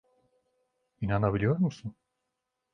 İnanabiliyor musun?